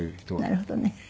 なるほどね。